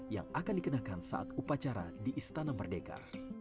yang akan dikenakan saat upacara di istana merdeka